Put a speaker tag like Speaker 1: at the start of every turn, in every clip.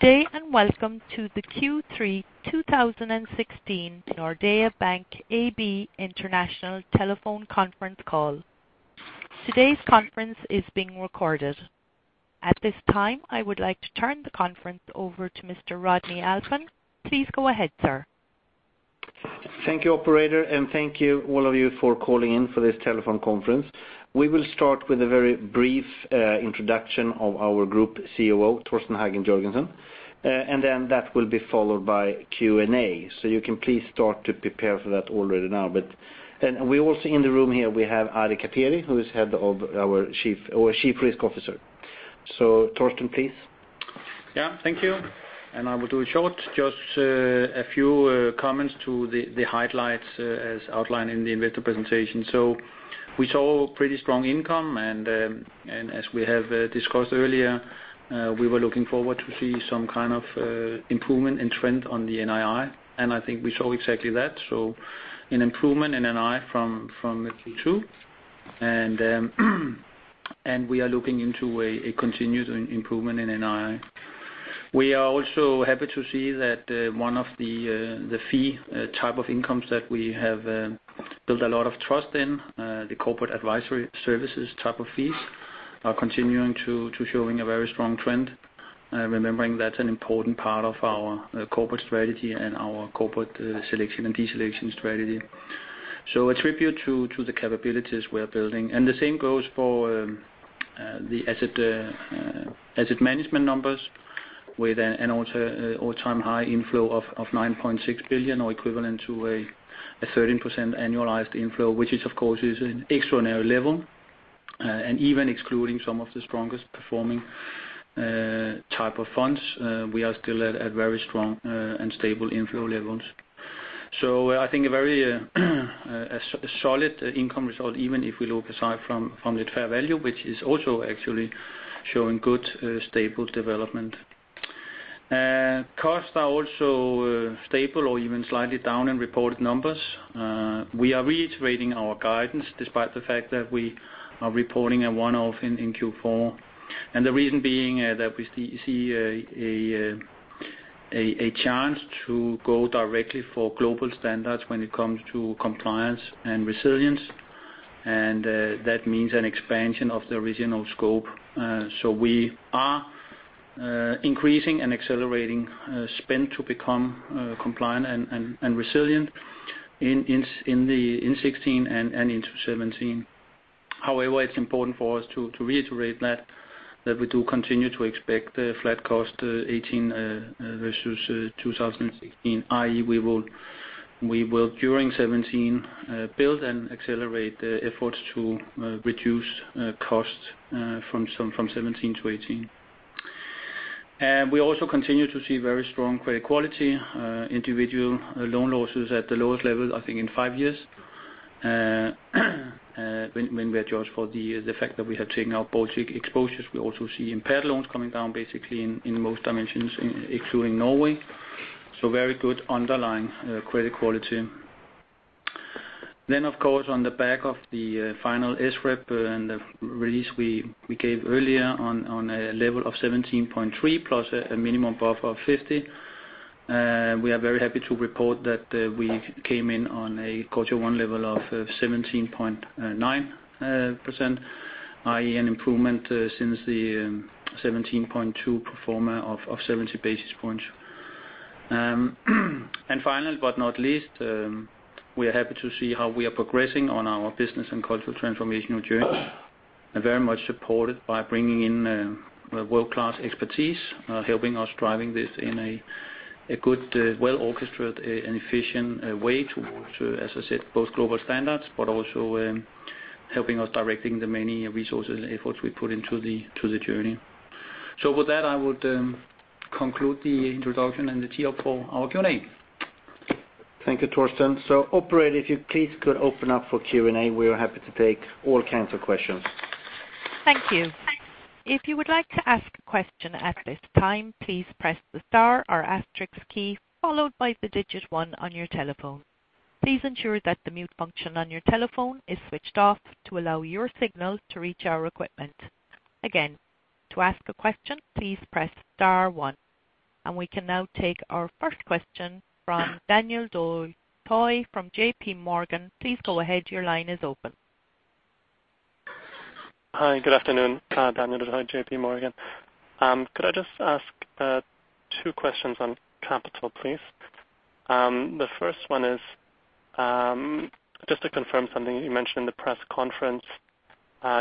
Speaker 1: Good day, and welcome to the Q3 2016 Nordea Bank AB international telephone conference call. Today's conference is being recorded. At this time, I would like to turn the conference over to Mr. Rodney Alfvén. Please go ahead, sir.
Speaker 2: Thank you, operator, and thank you all of you for calling in for this telephone conference. We will start with a very brief introduction of our Group COO, Torsten Hagen Jørgensen, and then that will be followed by Q&A, so you can please start to prepare for that already now. Also in the room here, we have Ari Kaperi, who is our Chief Risk Officer. Torsten, please.
Speaker 3: Thank you. I will do it short, just a few comments to the highlights as outlined in the investor presentation. We saw pretty strong income, and as we have discussed earlier, we were looking forward to see some kind of improvement in trend on the NII, and I think we saw exactly that. So an improvement in NII from Q2, and we are looking into a continued improvement in NII. We are also happy to see that one of the fee type of incomes that we have built a lot of trust in, the corporate advisory services type of fees, are continuing to showing a very strong trend. Remembering that's an important part of our corporate strategy and our corporate selection and deselection strategy. So attribute to the capabilities we're building. The same goes for the asset management numbers with an all-time high inflow of 9.6 billion or equivalent to a 13% annualized inflow, which is, of course, is an extraordinary level. Even excluding some of the strongest performing type of funds, we are still at very strong and stable inflow levels. So I think a very solid income result, even if we look aside from the fair value, which is also actually showing good stable development. Costs are also stable or even slightly down in reported numbers. We are reiterating our guidance despite the fact that we are reporting a one-off in Q4, and the reason being that we see a chance to go directly for global standards when it comes to compliance and resilience, and that means an expansion of the original scope. We are increasing and accelerating spend to become compliant and resilient in 2016 and into 2017. However, it is important for us to reiterate that we do continue to expect a flat cost 2018 versus 2016, i.e., we will, during 2017, build and accelerate efforts to reduce costs from 2017 to 2018. We also continue to see very strong credit quality, individual loan losses at the lowest level, I think, in five years, when we adjust for the fact that we have taken out Baltic exposures. We also see impaired loans coming down basically in most dimensions, excluding Norway. Very good underlying credit quality. Then, of course, on the back of the final SREP and the release we gave earlier on a level of 17.3% plus a minimum buffer of 50 basis points. We are very happy to report that we came in on a quarter one level of 17.9%, i.e., an improvement since the 17.2% pro forma of 70 basis points. Final, but not least, we are happy to see how we are progressing on our business and cultural transformational journey, very much supported by bringing in world-class expertise, helping us driving this in a good well-orchestrated and efficient way to, as I said, both global standards, but also helping us directing the many resources and efforts we put into the journey. With that, I would conclude the introduction and the floor for our Q&A.
Speaker 2: Thank you, Torsten. Operator, if you please could open up for Q&A. We are happy to take all kinds of questions.
Speaker 1: Thank you. If you would like to ask a question at this time, please press the star or asterisk key followed by the digit 1 on your telephone. Please ensure that the mute function on your telephone is switched off to allow your signal to reach our equipment. Again, to ask a question, please press star one. We can now take our first question from Daniel Toy from JP Morgan. Please go ahead. Your line is open.
Speaker 4: Hi. Good afternoon. Daniel Toy, JP Morgan. Could I just ask two questions on capital, please? The first one is just to confirm something you mentioned in the press conference.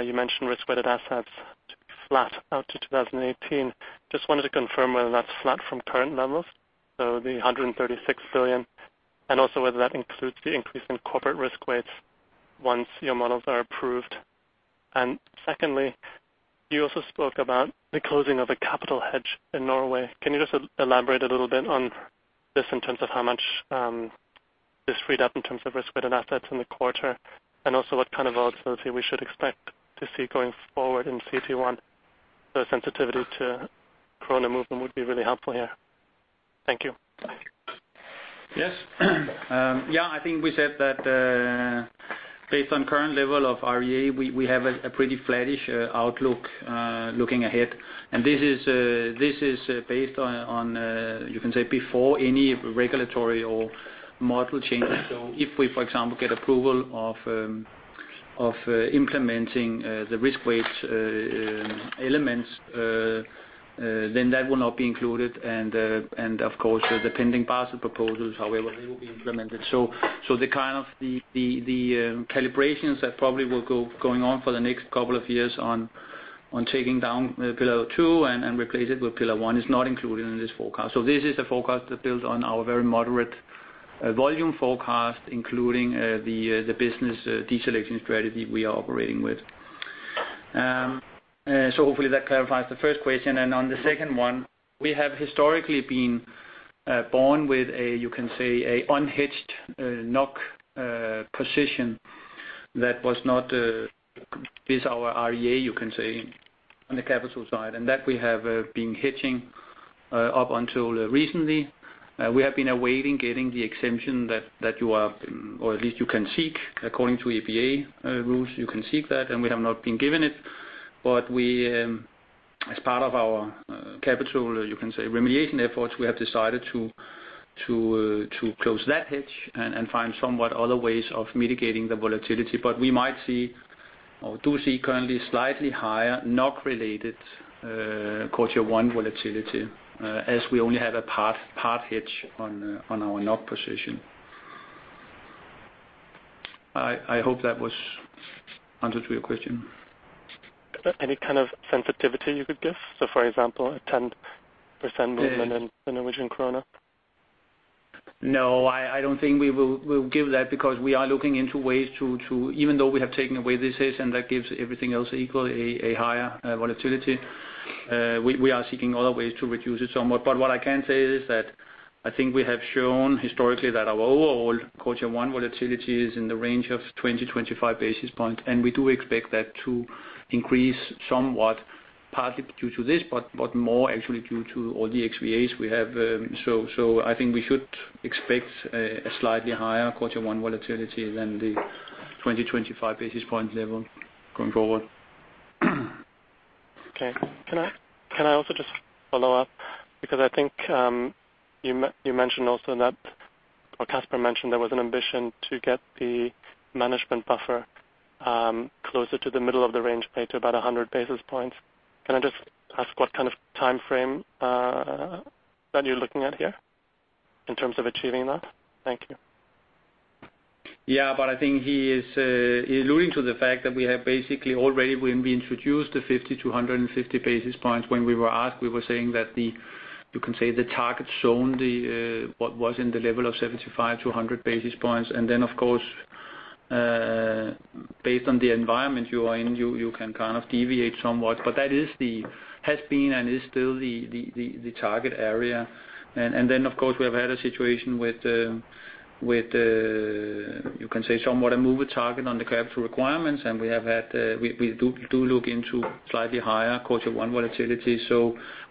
Speaker 4: You mentioned risk-weighted assets to be flat out to 2018. Just wanted to confirm whether that's flat from current levels, so the 136 billion, and also whether that includes the increase in corporate risk weights once your models are approved. Secondly, you also spoke about the closing of a capital hedge in Norway. Can you just elaborate a little bit on this in terms of how much this freed up in terms of risk-weighted assets in the quarter, and also what kind of volatility we should expect to see going forward in CET1? The sensitivity to NOK movement would be really helpful here. Thank you.
Speaker 3: Yes. I think we said that based on current level of REA, we have a pretty flattish outlook looking ahead. This is based on, you can say before any regulatory or model changes. If we, for example, get approval of implementing the risk weight elements, then that will not be included. Of course, the pending Basel proposals, however they will be implemented. The kind of calibrations that probably will go on for the next couple of years on taking down Pillar 2 and replace it with Pillar 1 is not included in this forecast. This is a forecast that builds on our very moderate volume forecast, including the business deselection strategy we are operating with. Hopefully that clarifies the first question. On the second one, we have historically been born with a, you can say, a unhedged NOK position that was not is our REA, you can say, on the capital side, and that we have been hedging up until recently. We have been awaiting getting the exemption that you are, or at least you can seek according to APA rules, you can seek that, and we have not been given it. As part of our capital, you can say remediation efforts, we have decided to close that hedge and find somewhat other ways of mitigating the volatility. We might see or do see currently slightly higher NOK related quarter one volatility as we only have a part hedge on our NOK position. I hope that was answered to your question.
Speaker 4: Any kind of sensitivity you could give? For example, a 10% movement in NOK?
Speaker 3: I don't think we will give that because we are looking into ways to, even though we have taken away this hedge and that gives everything else equal a higher volatility, we are seeking other ways to reduce it somewhat. What I can say is that I think we have shown historically that our overall quarter one volatility is in the range of 20, 25 basis points, and we do expect that to increase somewhat, partly due to this, but more actually due to all the XVAs we have. I think we should expect a slightly higher quarter one volatility than the 20, 25 basis point level going forward.
Speaker 4: Okay. Can I also just follow up, because I think you mentioned also that, or Casper mentioned there was an ambition to get the management buffer closer to the middle of the range pay to about 100 basis points. Can I just ask what kind of timeframe that you're looking at here in terms of achieving that? Thank you.
Speaker 3: Yeah, I think he is alluding to the fact that we have basically already when we introduced the 50 to 150 basis points when we were asked, we were saying that the target shown what was in the level of 75 to 100 basis points. Then of course, based on the environment you are in, you can kind of deviate somewhat. That has been and is still the target area. Then of course, we have had a situation with, you can say somewhat a moving target on the capital requirements, and we do look into slightly higher quarter one volatility.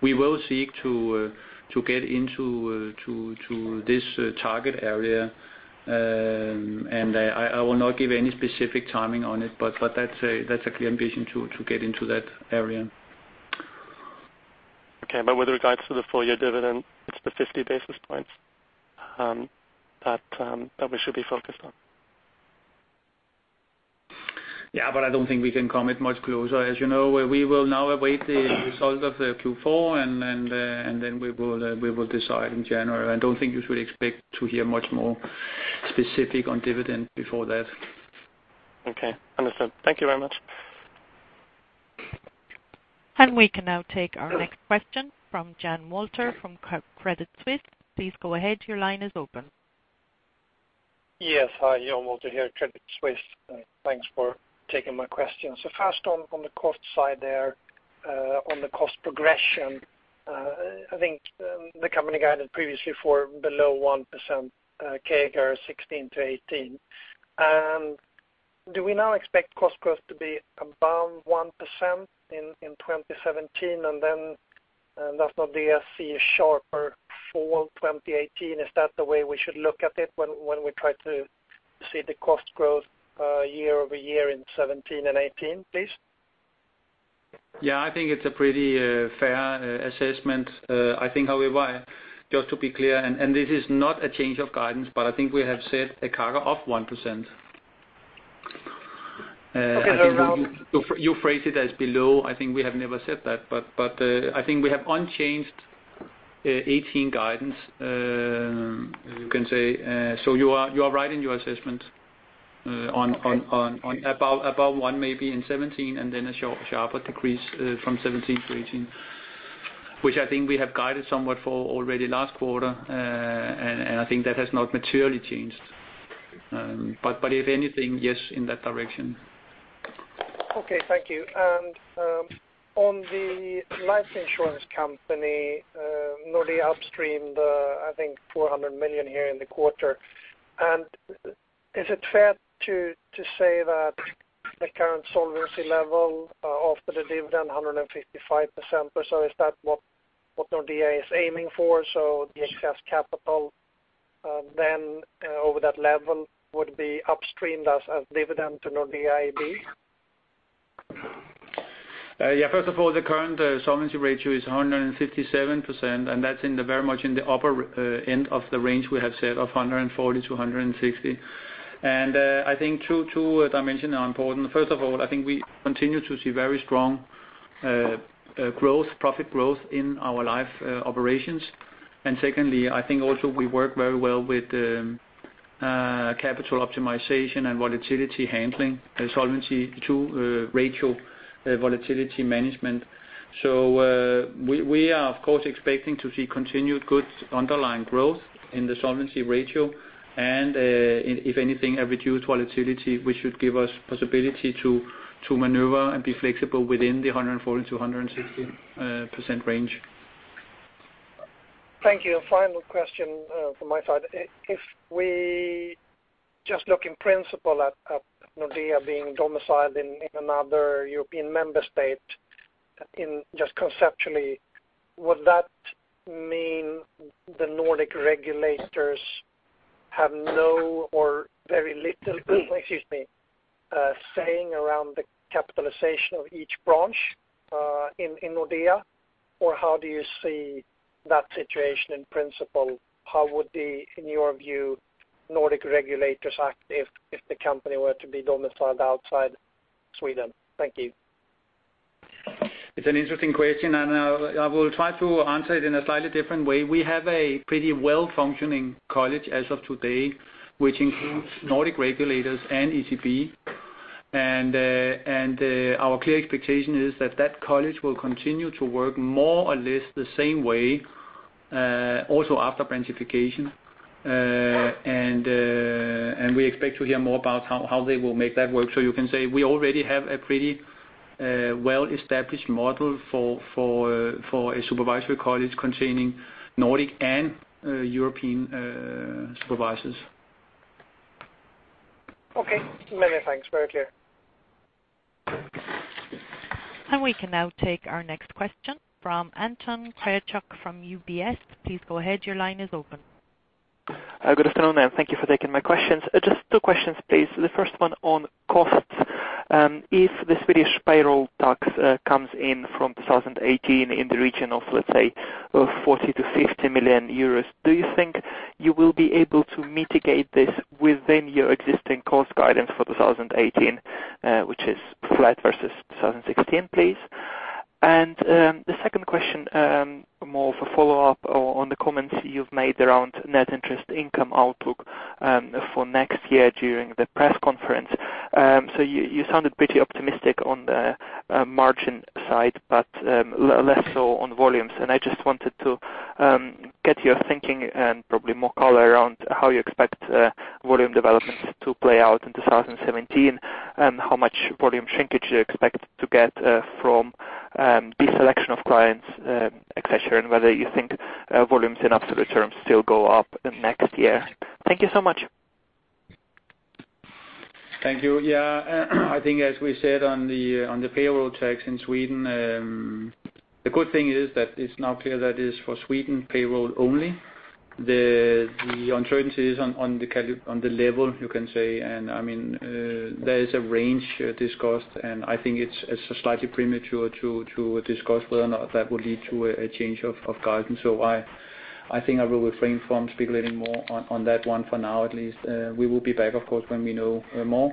Speaker 3: We will seek to get into this target area. I will not give any specific timing on it, but that's a clear ambition to get into that area.
Speaker 4: Okay. With regards to the full year dividend, it's the 50 basis points that we should be focused on.
Speaker 3: I don't think we can comment much closer. As you know, we will now await the result of Q4, and then we will decide in January. I don't think you should expect to hear much more specific on dividend before that.
Speaker 4: Okay. Understood. Thank you very much.
Speaker 1: We can now take our next question from Jan Wolter from Credit Suisse. Please go ahead. Your line is open.
Speaker 5: Hi, Jan Wolter here, Credit Suisse. Thanks for taking my question. First on the cost side there, on the cost progression, I think the company guided previously for below 1% CAGR 2016 to 2018. Do we now expect cost growth to be above 1% in 2017 and then possibly see a sharper fall 2018? Is that the way we should look at it when we try to see the cost growth year-over-year in 2017 and 2018, please?
Speaker 3: Yeah, I think it's a pretty fair assessment. I think however, just to be clear, and this is not a change of guidance, but I think we have said a CAGR of 1%.
Speaker 5: Okay.
Speaker 3: You phrase it as below. I think we have never said that, but I think we have unchanged 2018 guidance. You can say, you are right in your assessment on above one maybe in 2017, and then a sharper decrease from 2017 to 2018, which I think we have guided somewhat for already last quarter. I think that has not materially changed. If anything, yes, in that direction.
Speaker 5: Okay, thank you. On the life insurance company, Nordea upstreamed I think 400 million here in the quarter. Is it fair to say that the current solvency level of the dividend 155% or so, is that what Nordea is aiming for? The excess capital then over that level would be upstreamed as dividend to Nordea AB?
Speaker 3: Yeah. First of all, the current solvency ratio is 157%, and that's very much in the upper end of the range we have said of 140%-160%. I think two dimensions are important. First of all, I think we continue to see very strong profit growth in our life operations. Secondly, I think also we work very well with capital optimization and volatility handling and Solvency II, ratio volatility management. We are, of course, expecting to see continued good underlying growth in the solvency ratio. If anything, a reduced volatility, which should give us possibility to maneuver and be flexible within the 140%-160% range.
Speaker 5: Thank you. Final question from my side. If we just look in principle at Nordea being domiciled in another European member state, just conceptually, would that mean the Nordic regulators have no or very little saying around the capitalization of each branch in Nordea? Or how do you see that situation in principle? How would the, in your view, Nordic regulators act if the company were to be domiciled outside Sweden? Thank you.
Speaker 3: It's an interesting question, I will try to answer it in a slightly different way. We have a pretty well-functioning college as of today, which includes Nordic regulators and ECB. Our clear expectation is that that college will continue to work more or less the same way also after branchification. We expect to hear more about how they will make that work. You can say we already have a pretty well-established model for a supervisory college containing Nordic and European supervisors.
Speaker 5: Okay. Many thanks. Very clear.
Speaker 1: We can now take our next question from Anton Khrebtchouk from UBS. Please go ahead. Your line is open.
Speaker 6: Good afternoon, thank you for taking my questions. Just two questions, please. The first one on costs. If the Swedish payroll tax comes in from 2018 in the region of, let's say, 40 million-50 million euros, do you think you will be able to mitigate this within your existing cost guidance for 2018, which is flat versus 2016, please? The second question, more of a follow-up on the comments you've made around net interest income outlook for next year during the press conference. You sounded pretty optimistic on the margin side, but less so on volumes. I just wanted to get your thinking and probably more color around how you expect volume developments to play out in 2017 and how much volume shrinkage you expect to get from the selection of clients, et cetera. Whether you think volumes in absolute terms still go up next year. Thank you so much.
Speaker 3: Thank you. Yeah, I think as we said on the payroll tax in Sweden the good thing is that it's now clear that is for Sweden payroll only. The uncertainty is on the level, you can say. There is a range discussed, and I think it's slightly premature to discuss whether or not that will lead to a change of guidance. I think I will refrain from speculating more on that one for now at least. We will be back, of course, when we know more.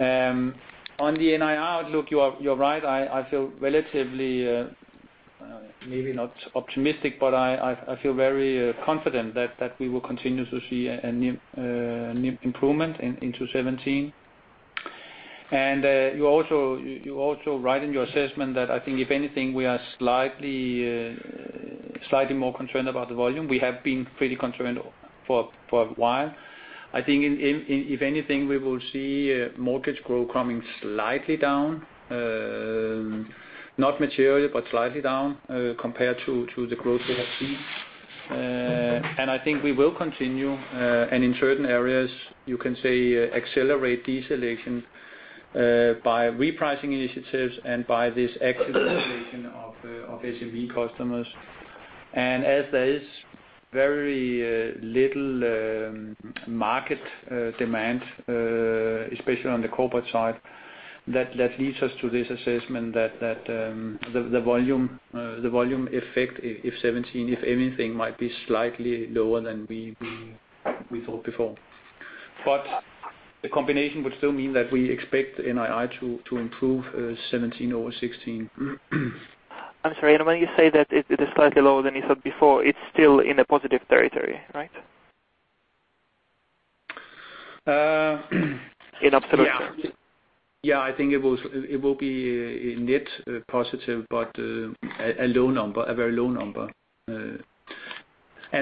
Speaker 3: On the NII outlook, you are right. I feel relatively, maybe not optimistic, but I feel very confident that we will continue to see an improvement in 2017. You're also right in your assessment that I think if anything, we are slightly more concerned about the volume. We have been pretty concerned for a while. I think if anything, we will see mortgage growth coming slightly down. Not materially, but slightly down compared to the growth we have seen. I think we will continue, and in certain areas you can say accelerate deselection by repricing initiatives and by this active selection of SMB customers. As there is very little market demand especially on the corporate side, that leads us to this assessment that the volume effect if 2017, if anything, might be slightly lower than we thought before. The combination would still mean that we expect NII to improve 2017 over 2016.
Speaker 6: I'm sorry. When you say that it is slightly lower than you thought before, it's still in a positive territory, right? In absolute terms.
Speaker 3: Yeah. I think it will be a net positive, but a low number, a very low number.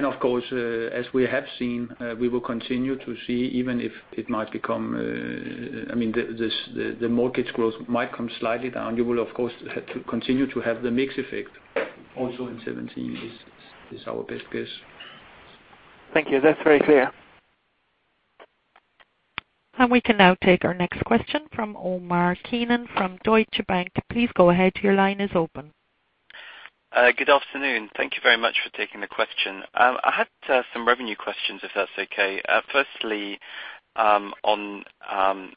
Speaker 3: Of course, as we have seen, we will continue to see, even if the mortgage growth might come slightly down, you will of course continue to have the mix effect also in 2017 is our best guess.
Speaker 6: Thank you. That's very clear.
Speaker 1: We can now take our next question from Omar Keenan from Deutsche Bank. Please go ahead. Your line is open.
Speaker 7: Good afternoon. Thank you very much for taking the question. I had some revenue questions, if that's okay. Firstly, on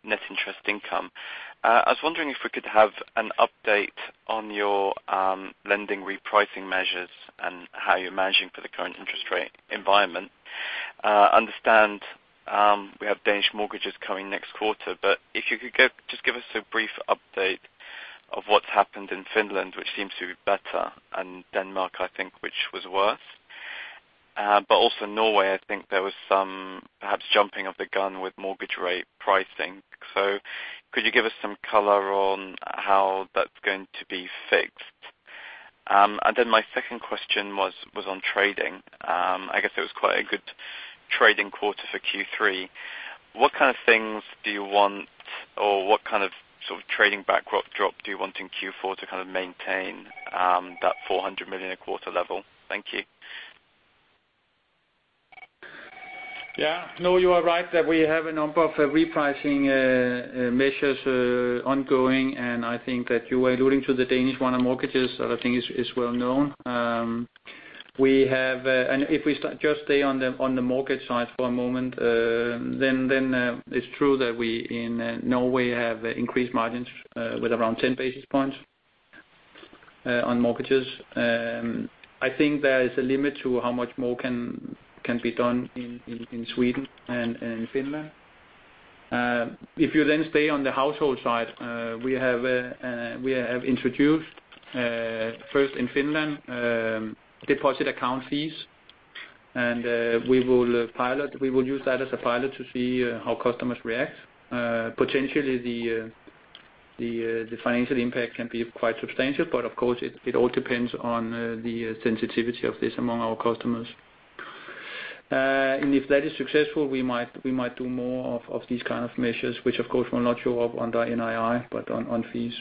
Speaker 7: net interest income. I was wondering if we could have an update on your lending repricing measures and how you're managing for the current interest rate environment. Understand we have Danish mortgages coming next quarter, but if you could just give us a brief update of what's happened in Finland, which seems to be better, and Denmark, I think, which was worse. Norway, I think there was some perhaps jumping of the gun with mortgage rate pricing. Could you give us some color on how that's going to be fixed? My second question was on trading. I guess it was quite a good trading quarter for Q3. What kind of things do you want or what kind of trading backdrop do you want in Q4 to maintain that 400 million a quarter level? Thank you.
Speaker 3: You are right that we have a number of repricing measures ongoing, and I think that you were alluding to the Danish one on mortgages, I think is well known. If we just stay on the mortgage side for a moment, it's true that we, in Norway, have increased margins with around 10 basis points on mortgages. I think there is a limit to how much more can be done in Sweden and in Finland. If you stay on the household side, we have introduced, first in Finland, deposit account fees, and we will use that as a pilot to see how customers react. Potentially the financial impact can be quite substantial, but of course, it all depends on the sensitivity of this among our customers. If that is successful, we might do more of these kinds of measures, which of course will not show up under NII, but on fees.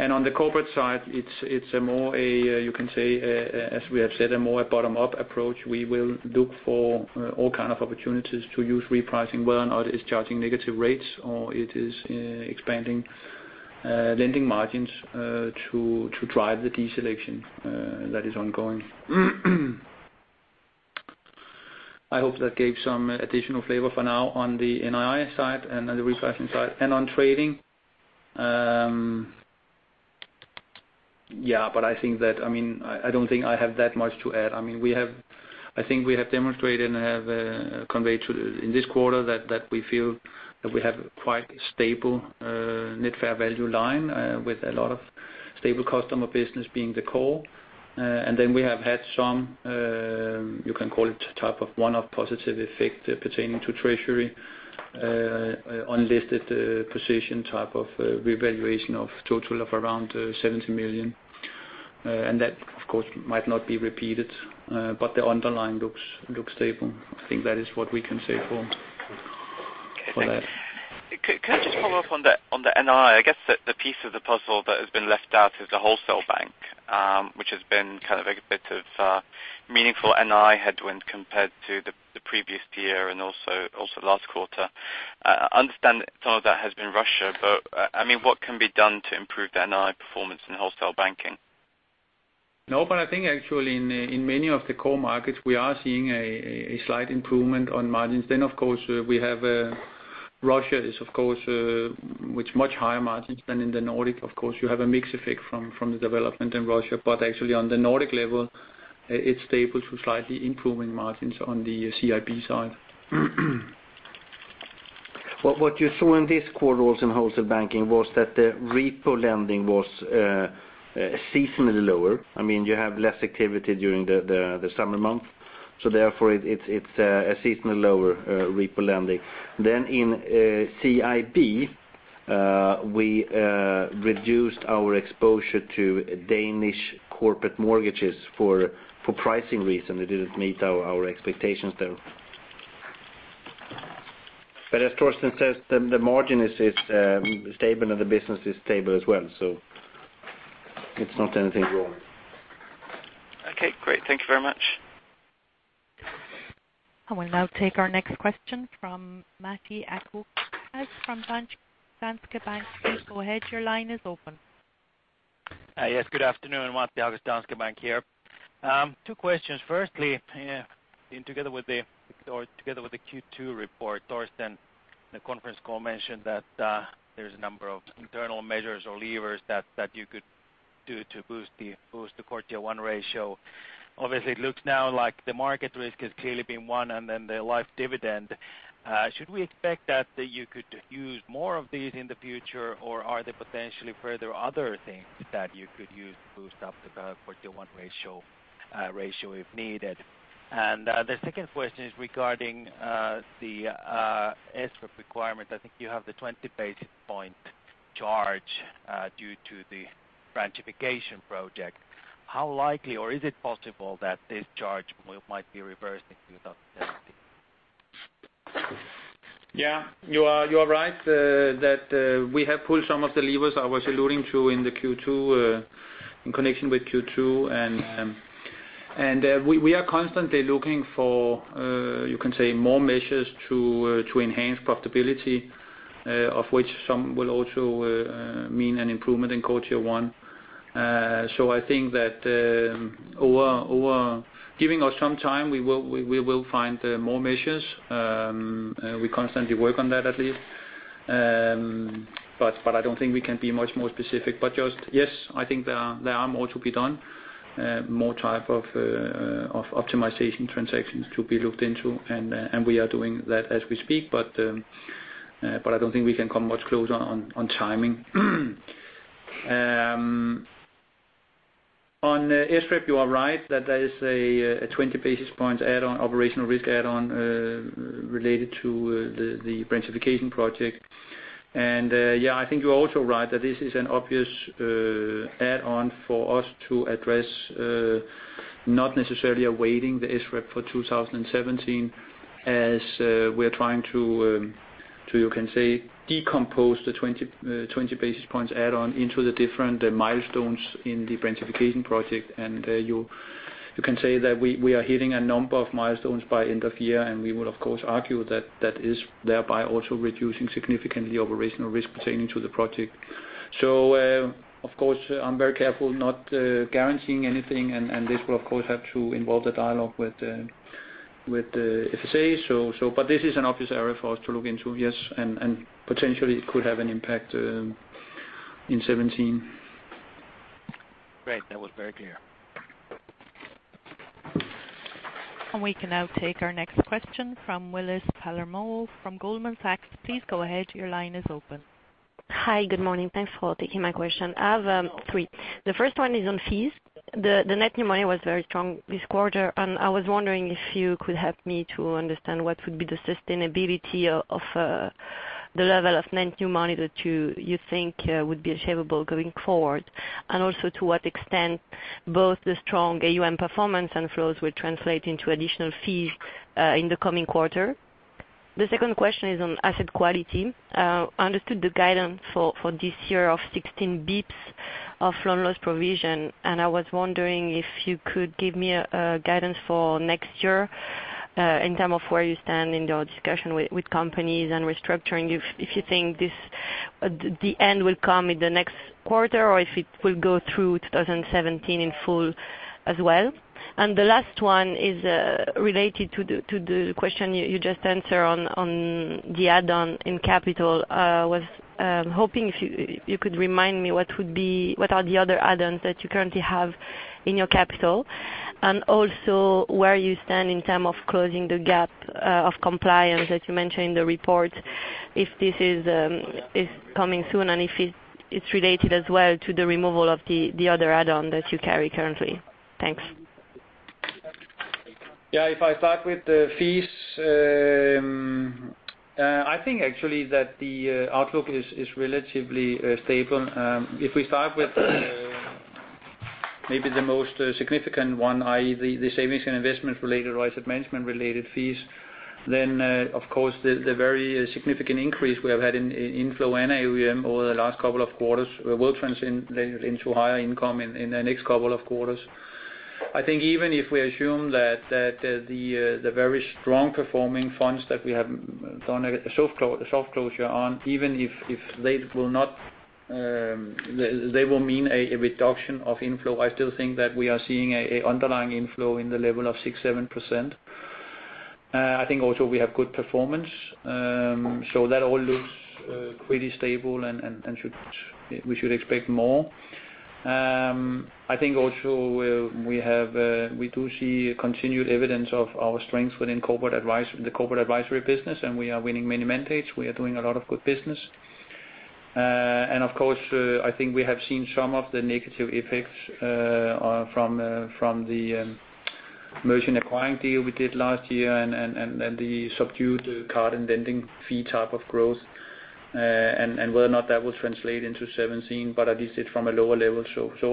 Speaker 3: On the corporate side, it's a more, you can say, as we have said, a more bottom-up approach. We will look for all kinds of opportunities to use repricing, whether or not it is charging negative rates or it is expanding lending margins to drive the deselection that is ongoing. I hope that gave some additional flavor for now on the NII side and on the repricing side. On trading, I don't think I have that much to add. I think we have demonstrated and have conveyed in this quarter that we feel that we have quite a stable net fair value line with a lot of stable customer business being the core. We have had some, you can call it type of one-off positive effect pertaining to treasury on listed position type of revaluation of total of around 70 million. That, of course, might not be repeated. The underlying looks stable. I think that is what we can say for that.
Speaker 7: Okay, thanks. Could I just follow up on the NII? I guess the piece of the puzzle that has been left out is the wholesale bank, which has been a bit of meaningful NII headwind compared to the previous year and also last quarter. I understand some of that has been Russia, what can be done to improve the NII performance in wholesale banking?
Speaker 3: I think actually in many of the core markets, we are seeing a slight improvement on margins. We have Russia, which much higher margins than in the Nordic. You have a mix effect from the development in Russia. Actually on the Nordic level, it's stable to slightly improving margins on the CIB side.
Speaker 2: What you saw in this quarter also in wholesale banking was that the repo lending was seasonally lower. You have less activity during the summer months, so therefore it's a seasonally lower repo lending. In CIB, we reduced our exposure to Danish corporate mortgages for pricing reasons. It didn't meet our expectations there. As Torsten says, the margin is stable, and the business is stable as well, so it's not anything wrong.
Speaker 7: Okay, great. Thank you very much.
Speaker 1: I will now take our next question from Matti Aho from Danske Bank. Please go ahead. Your line is open.
Speaker 8: Yes, good afternoon. Matti Aho, Danske Bank here. Two questions. Firstly, together with the Q2 report, Torsten, in the conference call mentioned that there's a number of internal measures or levers that you could do to boost the CET1 ratio. Obviously, it looks now like the market risk has clearly been one and then the life dividend. Should we expect that you could use more of these in the future, or are there potentially further other things that you could use to boost up the CET1 ratio if needed? The second question is regarding the SREP requirement. I think you have the 20 basis point charge due to the branchification project. How likely, or is it possible that this charge might be reversed in 2017?
Speaker 3: Yeah, you are right that we have pulled some of the levers I was alluding to in connection with Q2, and we are constantly looking for, you can say, more measures to enhance profitability, of which some will also mean an improvement in CET1. I think that giving us some time, we will find more measures. We constantly work on that at least. I don't think we can be much more specific. Just, yes, I think there are more to be done, more type of optimization transactions to be looked into, and we are doing that as we speak. I don't think we can come much closer on timing. On SREP, you are right. That is a 20 basis points add-on, operational risk add-on, related to the branchification project. Yeah, I think you're also right that this is an obvious add-on for us to address, not necessarily awaiting the SREP for 2017, as we're trying to, you can say, decompose the 20 basis points add-on into the different milestones in the branchification project. You can say that we are hitting a number of milestones by end of year, and we will, of course, argue that is thereby also reducing significantly operational risk pertaining to the project. Of course, I'm very careful not guaranteeing anything, and this will, of course, have to involve the dialogue with the FSA. This is an obvious area for us to look into, yes, and potentially it could have an impact in 2017.
Speaker 8: Great. That was very clear.
Speaker 1: We can now take our next question from Willis Palermo from Goldman Sachs. Please go ahead. Your line is open.
Speaker 9: Hi. Good morning. Thanks for taking my question. I have three. The first one is on fees. The net new money was very strong this quarter, and I was wondering if you could help me to understand what would be the sustainability of the level of net new money that you think would be achievable going forward. Also to what extent both the strong AUM performance and flows will translate into additional fees in the coming quarter. The second question is on asset quality. I understood the guidance for this year of 16 basis points of loan loss provision, and I was wondering if you could give me a guidance for next year in terms of where you stand in your discussion with companies and restructuring. If you think the end will come in the next quarter or if it will go through 2017 in full as well. The last one is related to the question you just answered on the add-on in capital. I was hoping if you could remind me what are the other add-ons that you currently have in your capital, and also where you stand in term of closing the gap of compliance that you mentioned in the report, if this is coming soon, and if it's related as well to the removal of the other add-on that you carry currently. Thanks.
Speaker 3: Yeah. If I start with the fees, I think actually that the outlook is relatively stable. If we start with maybe the most significant one, i.e., the savings and investment related or asset management related fees, then of course, the very significant increase we have had in inflow and AUM over the last couple of quarters will translate into higher income in the next couple of quarters. I think even if we assume that the very strong performing funds that we have done a soft closure on, even if they will mean a reduction of inflow, I still think that we are seeing a underlying inflow in the level of six, seven percent. I think also we have good performance. That all looks pretty stable and we should expect more. I think also we do see continued evidence of our strength within the corporate advisory business. We are winning many mandates. We are doing a lot of good business. Of course, I think we have seen some of the negative effects from the merchant acquiring deal we did last year and the subdued card and lending fee type of growth, and whether or not that will translate into 2017, but at least it's from a lower level.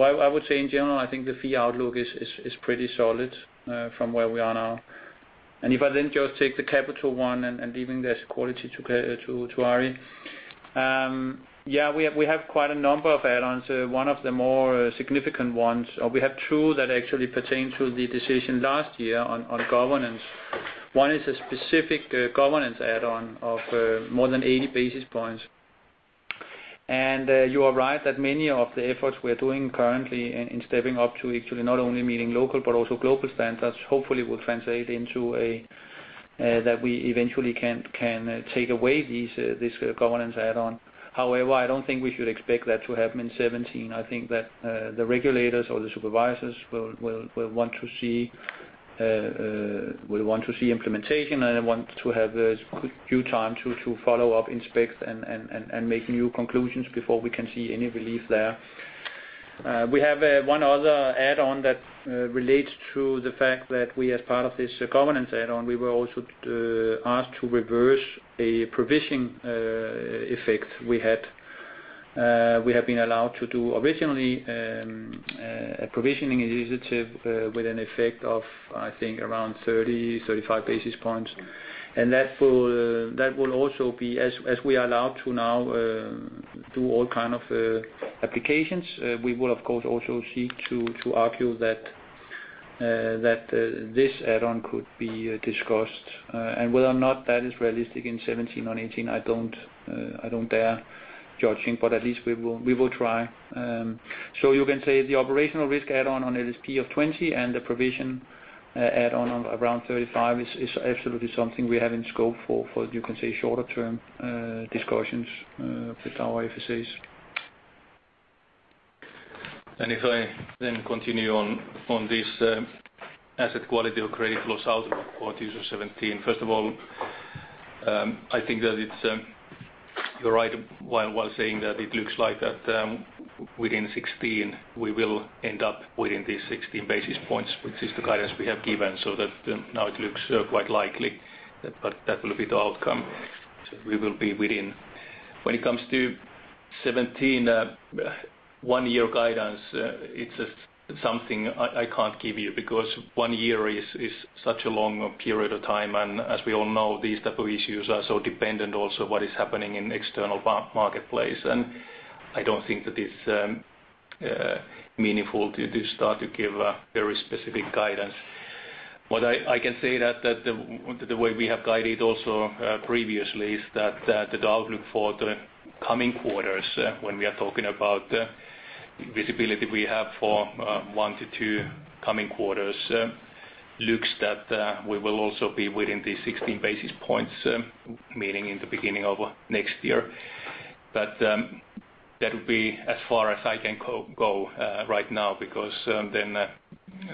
Speaker 3: I would say in general, I think the fee outlook is pretty solid from where we are now. If I then just take the capital one and leaving this quality to Ari. Yeah, we have quite a number of add-ons. One of the more significant ones, or we have two that actually pertain to the decision last year on governance. One is a specific governance add-on of more than 80 basis points. You are right that many of the efforts we're doing currently in stepping up to actually not only meeting local but also global standards, hopefully will translate into that we eventually can take away this governance add-on. However, I don't think we should expect that to happen in 2017. I think that the regulators or the supervisors will want to see implementation, and they want to have a good due time to follow up, inspect, and make new conclusions before we can see any relief there. We have one other add-on that relates to the fact that we, as part of this governance add-on, we were also asked to reverse a provision effect we had. We have been allowed to do originally a provisioning initiative with an effect of, I think, around 30, 35 basis points. That will also be, as we are allowed to now do all kind of applications. We will, of course, also seek to argue that this add-on could be discussed. Whether or not that is realistic in 2017 or 2018, I don't dare judging, but at least we will try. You can say the operational risk add-on on LSP of 20 and the provision add-on of around 35 is absolutely something we have in scope for you can say, shorter term discussions with our FSAs.
Speaker 10: If I then continue on this asset quality or credit loss outlook for Q4 2017. First of all, I think that you're right while saying that it looks like that within 2016 we will end up within these 16 basis points, which is the guidance we have given, so that now it looks quite likely that will be the outcome. We will be within. When it comes to 2017, one-year guidance, it's something I can't give you because one year is such a long period of time, and as we all know, these type of issues are so dependent also what is happening in external marketplace, and I don't think that it's meaningful to start to give very specific guidance. What I can say that the way we have guided also previously is that the outlook for the coming quarters when we are talking about visibility we have for one to two coming quarters looks that we will also be within the 16 basis points, meaning in the beginning of next year. That would be as far as I can go right now, because then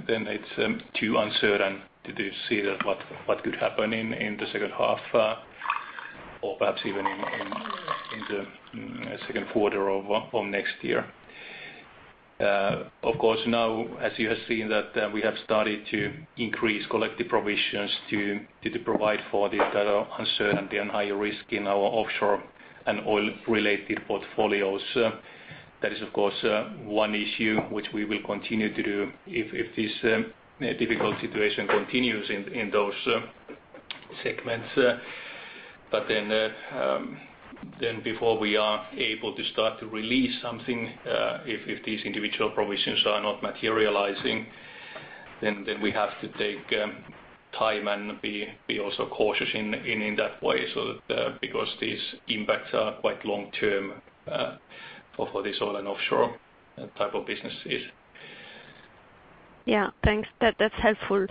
Speaker 10: it's too uncertain to see what could happen in the second half or perhaps even in the second quarter of next year. Of course, now as you have seen that we have started to increase collective provisions to provide for this kind of uncertainty and higher risk in our offshore and oil-related portfolios. That is, of course, one issue which we will continue to do if this difficult situation continues in those segments. Before we are able to start to release something if these individual provisions are not materializing, then we have to take time and be also cautious in that way so that because these impacts are quite long-term for this oil and offshore type of businesses.
Speaker 9: Yeah, thanks. That's helpful.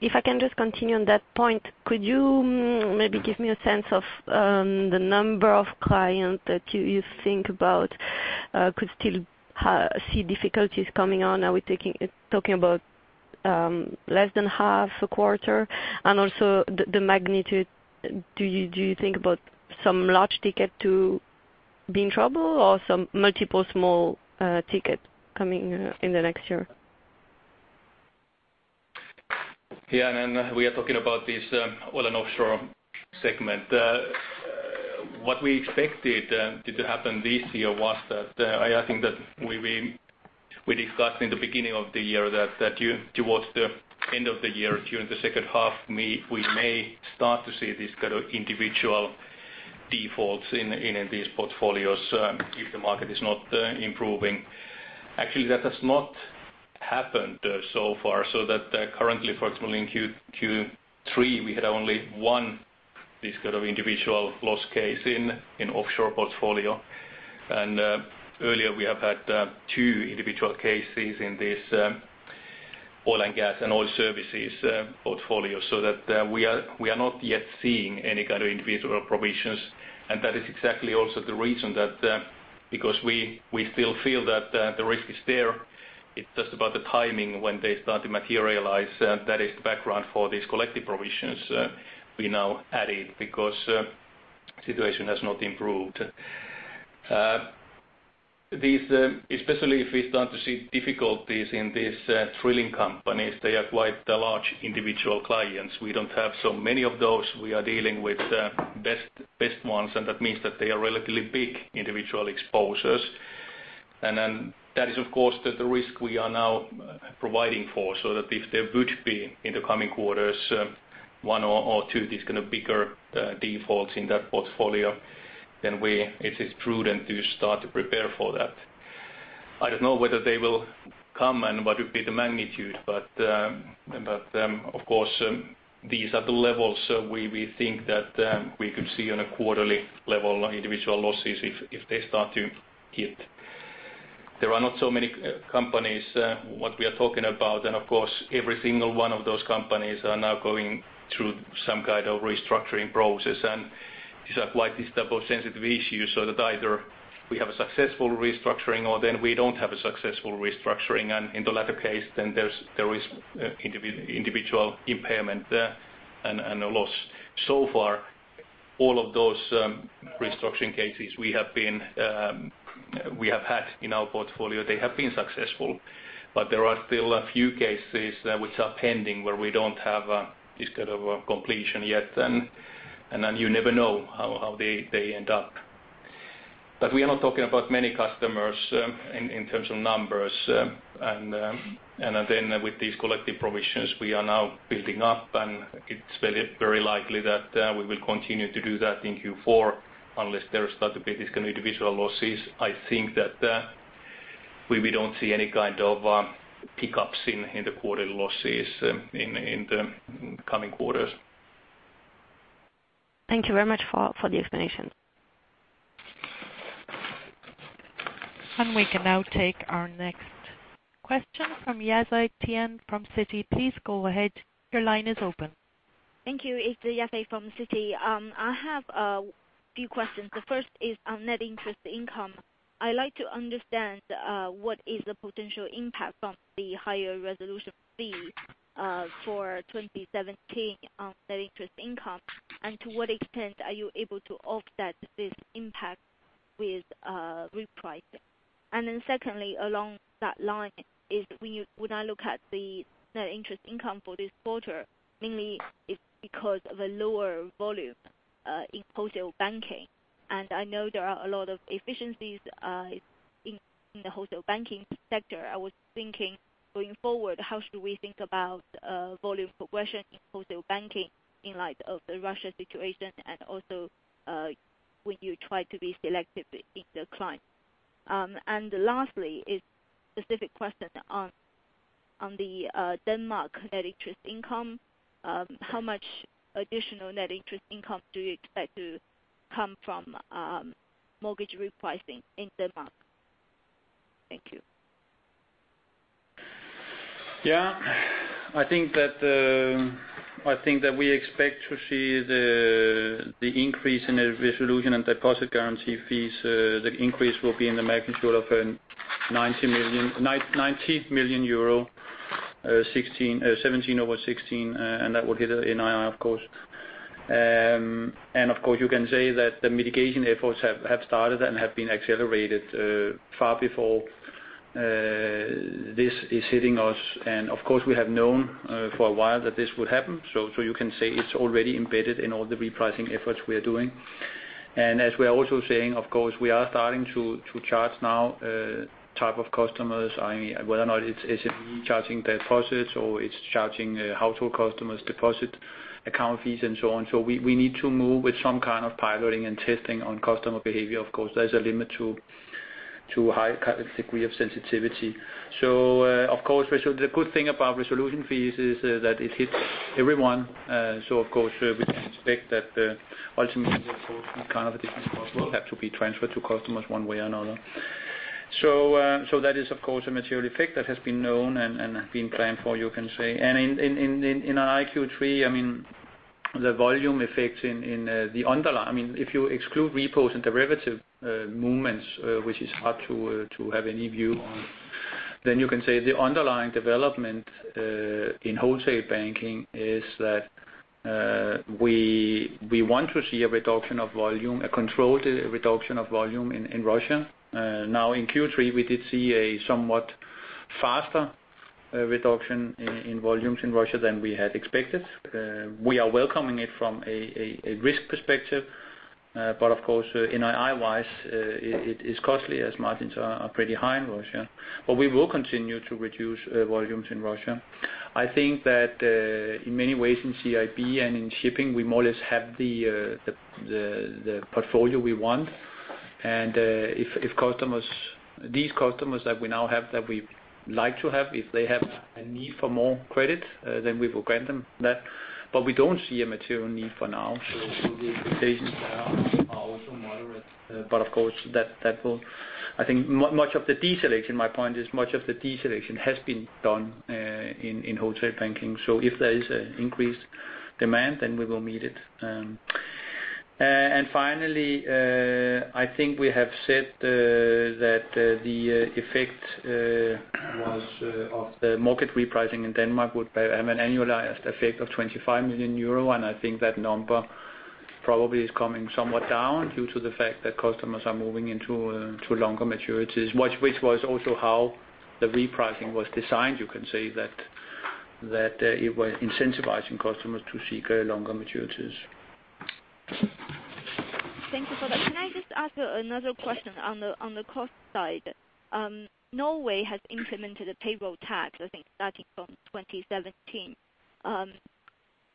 Speaker 9: If I can just continue on that point, could you maybe give me a sense of the number of client that you think about could still see difficulties coming on? Are we talking about less than half a quarter? Also the magnitude, do you think about some large ticket to be in trouble or some multiple small ticket coming in the next year?
Speaker 10: Yeah, we are talking about this oil and offshore segment. What we expected to happen this year was that I think that we discussed in the beginning of the year that towards the end of the year, during the second half, we may start to see this kind of individual defaults in these portfolios if the market is not improving. Actually, that has not happened so far. Currently, for example, in Q3, we had only one this kind of individual loss case in offshore portfolio. Earlier we have had two individual cases in this oil and gas and oil services portfolio, so that we are not yet seeing any kind of individual provisions. That is exactly also the reason that because we still feel that the risk is there, it's just about the timing when they start to materialize. That is the background for these collective provisions we now added because situation has not improved. Especially if we start to see difficulties in these drilling companies, they are quite large individual clients. We don't have so many of those. We are dealing with best ones, and that means that they are relatively big individual exposures. That is, of course, the risk we are now providing for, so that if there would be in the coming quarters one or two of these kind of bigger defaults in that portfolio, then it is prudent to start to prepare for that. I don't know whether they will come and what would be the magnitude, but of course, these are the levels we think that we could see on a quarterly level individual losses if they start to hit. There are not so many companies what we are talking about. Of course, every single one of those companies are now going through some kind of restructuring process and these are quite these type of sensitive issues, so that either we have a successful restructuring or then we don't have a successful restructuring. In the latter case, there is individual impairment there and a loss. So far, all of those restructuring cases we have had in our portfolio, they have been successful. There are still a few cases which are pending where we don't have this kind of completion yet, and then you never know how they end up. We are not talking about many customers in terms of numbers. With these collective provisions we are now building up, and it's very likely that we will continue to do that in Q4 unless there start to be these kind of individual losses. I think that.
Speaker 3: We don't see any kind of pick-ups in the quarter losses in the coming quarters.
Speaker 9: Thank you very much for the explanation.
Speaker 1: We can now take our next question from Yafei Tian from Citi. Please go ahead. Your line is open.
Speaker 11: Thank you. It's Yafei from Citi. I have a few questions. The first is on net interest income. I'd like to understand what is the potential impact from the higher resolution fee for 2017 on net interest income, and to what extent are you able to offset this impact with repricing? Secondly, along that line is when I look at the net interest income for this quarter, mainly it's because of a lower volume in wholesale banking, and I know there are a lot of efficiencies in the wholesale banking sector. I was thinking, going forward, how should we think about volume progression in wholesale banking in light of the Russia situation, and also when you try to be selective in the client. Lastly, a specific question on the Denmark net interest income. How much additional net interest income do you expect to come from mortgage repricing in Denmark? Thank you.
Speaker 3: I think that we expect to see the increase in the resolution and deposit guarantee fees. The increase will be in the magnitude of EUR 90 million, 2017 over 2016, and that will hit NII, of course. Of course, you can say that the mitigation efforts have started and have been accelerated far before this is hitting us. Of course, we have known for a while that this would happen, so you can say it's already embedded in all the repricing efforts we are doing. As we are also saying, of course, we are starting to charge now type of customers, whether or not it's charging deposits or it's charging household customers deposit account fees and so on. We need to move with some kind of piloting and testing on customer behavior. Of course, there's a limit to high degree of sensitivity. Of course, the good thing about resolution fees is that it hits everyone. Of course, we can expect that ultimately this kind of a business model will have to be transferred to customers one way or another. That is, of course, a material effect that has been known and been planned for, you can say. In our Q3, the volume effects in the underlying, if you exclude repos and derivative movements, which is hard to have any view on, then you can say the underlying development in wholesale banking is that we want to see a controlled reduction of volume in Russia. Now, in Q3, we did see a somewhat faster reduction in volumes in Russia than we had expected. We are welcoming it from a risk perspective, but of course, NII wise, it is costly as margins are pretty high in Russia. We will continue to reduce volumes in Russia. I think that in many ways in CIB and in shipping, we more or less have the portfolio we want. These customers that we now have that we like to have, if they have a need for more credit, then we will grant them that. We don't see a material need for now. The expectations there are also moderate. Of course, I think my point is much of the deselection has been done in wholesale banking. If there is an increased demand, then we will meet it. Finally, I think we have said that the effect of the market repricing in Denmark would have an annualized effect of 25 million euro. I think that number probably is coming somewhat down due to the fact that customers are moving into longer maturities, which was also how the repricing was designed. You can say that it was incentivizing customers to seek longer maturities.
Speaker 11: Thank you for that. Can I just ask another question on the cost side? Norway has implemented a payroll tax, I think starting from 2017.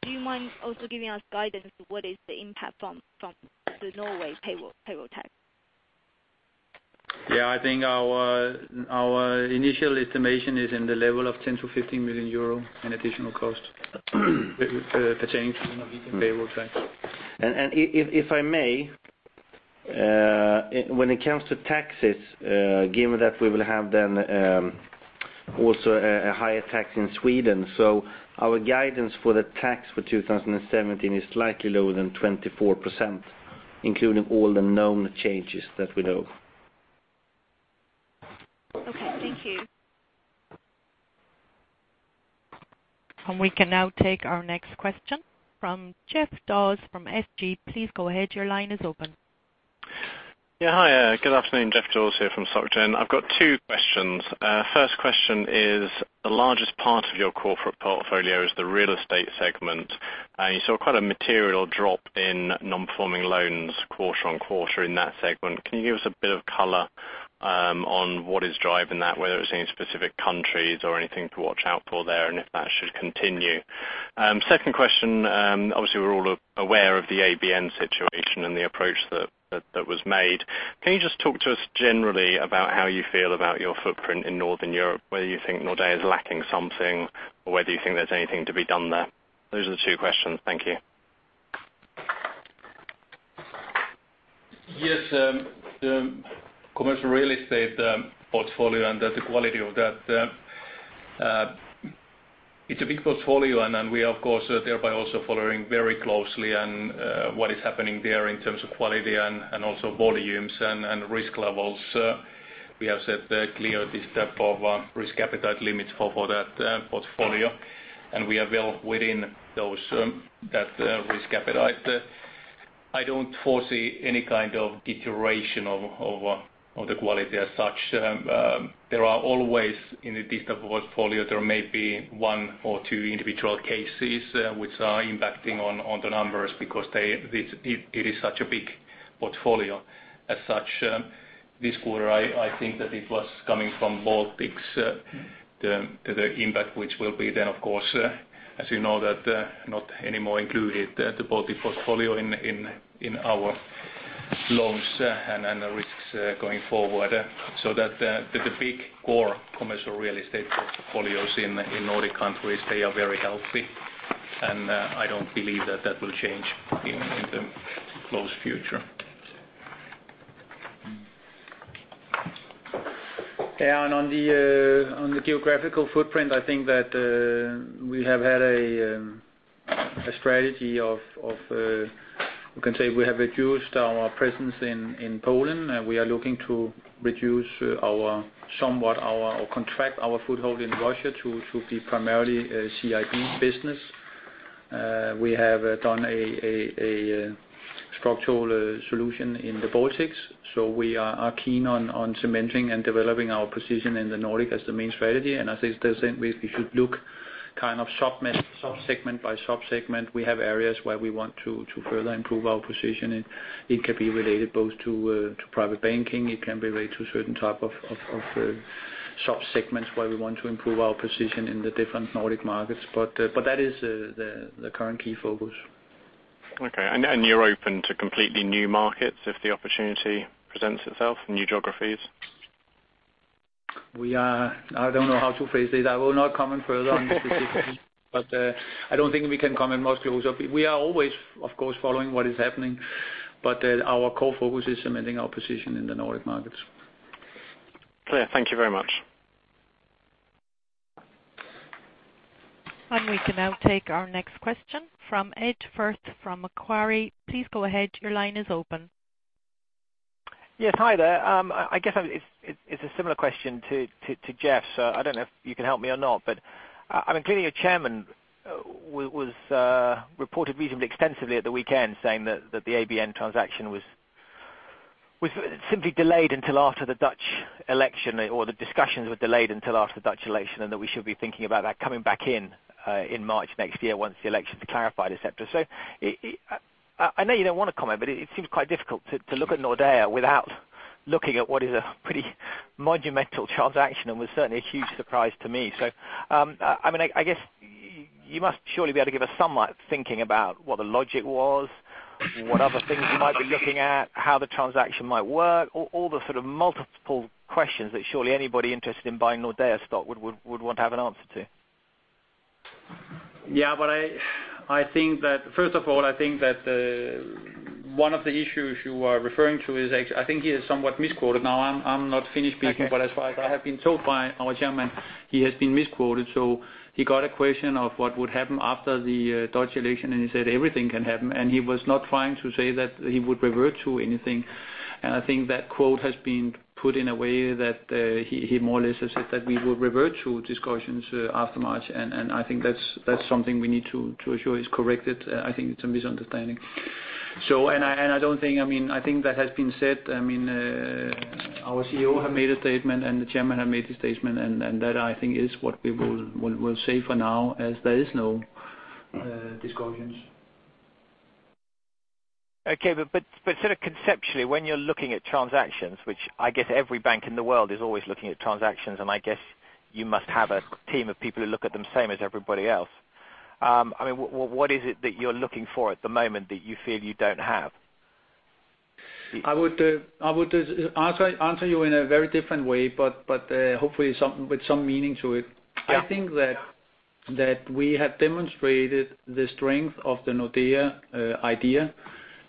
Speaker 11: Do you mind also giving us guidance what is the impact from the Norway payroll tax?
Speaker 3: Yeah. I think our initial estimation is in the level of 10 million-15 million euro in additional cost pertaining to the Norwegian payroll tax.
Speaker 2: If I may, when it comes to taxes, given that we will have then also a higher tax in Sweden, our guidance for the tax for 2017 is slightly lower than 24%, including all the known changes that we know.
Speaker 11: Okay. Thank you.
Speaker 1: We can now take our next question from Jeff Dawes from SG. Please go ahead. Your line is open.
Speaker 12: Yeah. Hi. Good afternoon. Jeff Dawes here from Soc Gen. I've got two questions. First question is, the largest part of your corporate portfolio is the real estate segment. You saw quite a material drop in non-performing loans quarter-on-quarter in that segment. Can you give us a bit of color on what is driving that, whether it's any specific countries or anything to watch out for there and if that should continue? Second question. Obviously, we're all aware of the ABN situation and the approach that was made. Can you just talk to us generally about how you feel about your footprint in Northern Europe, whether you think Nordea is lacking something, or whether you think there's anything to be done there? Those are the two questions. Thank you.
Speaker 10: Yes. The commercial real estate portfolio and the quality of that. It's a big portfolio. We are of course, thereby also following very closely on what is happening there in terms of quality and also volumes and risk levels. We have set clear this type of risk appetite limits for that portfolio. We are well within that risk appetite. I don't foresee any kind of deterioration of the quality as such. There are always, in this type of portfolio, there may be one or two individual cases which are impacting on the numbers because it is such a big portfolio. This quarter, I think that it was coming from Baltics, the impact which will be then, of course, as you know, that not anymore included the Baltic portfolio in our loans and the risks going forward. That the big core commercial real estate portfolios in Nordic countries, they are very healthy. I don't believe that that will change in the close future.
Speaker 3: On the geographical footprint, I think that we have had a strategy of, you can say, we have reduced our presence in Poland. We are looking to reduce or contract our foothold in Russia to be primarily a CIB business. We have done a structural solution in the Baltics. We are keen on cementing and developing our position in the Nordic as the main strategy. As I said, we should look kind of sub-segment by sub-segment. We have areas where we want to further improve our position. It can be related both to private banking, it can be related to certain type of sub-segments where we want to improve our position in the different Nordic markets. That is the current key focus.
Speaker 12: Okay. You're open to completely new markets if the opportunity presents itself, new geographies?
Speaker 3: I don't know how to phrase it. I will not comment further on the situation. I don't think we can comment much closer. We are always, of course, following what is happening. Our core focus is cementing our position in the Nordic markets.
Speaker 12: Clear. Thank you very much.
Speaker 1: We can now take our next question from Ed Firth from Macquarie. Please go ahead. Your line is open.
Speaker 13: Yes, hi there. I guess it's a similar question to Jeff's. I don't know if you can help me or not, but clearly your chairman was reported reasonably extensively at the weekend saying that the ABN transaction was simply delayed until after the Dutch election, or the discussions were delayed until after the Dutch election, and that we should be thinking about that coming back in in March next year once the election's been clarified, et cetera. I know you don't want to comment, but it seems quite difficult to look at Nordea without looking at what is a pretty monumental transaction, and was certainly a huge surprise to me. I guess you must surely be able to give us some thinking about what the logic was, what other things you might be looking at, how the transaction might work, all the sort of multiple questions that surely anybody interested in buying Nordea stock would want to have an answer to.
Speaker 3: First of all, I think that one of the issues you are referring to is actually, I think he is somewhat misquoted. Now, I'm not Finnish people.
Speaker 13: Okay
Speaker 3: As far as I have been told by our Chairman, he has been misquoted. He got a question of what would happen after the Dutch election, and he said everything can happen, and he was not trying to say that he would revert to anything. I think that quote has been put in a way that he more or less has said that we will revert to discussions after March, and I think that's something we need to ensure is corrected. I think it's a misunderstanding. I think that has been said. Our CEO have made a statement, and the Chairman have made a statement, and that, I think, is what we will say for now as there is no discussions.
Speaker 13: Okay. Sort of conceptually, when you're looking at transactions, which I guess every bank in the world is always looking at transactions, and I guess you must have a team of people who look at them same as everybody else. What is it that you're looking for at the moment that you feel you don't have?
Speaker 3: I would answer you in a very different way, but hopefully with some meaning to it.
Speaker 13: Yeah.
Speaker 3: I think that we have demonstrated the strength of the Nordea idea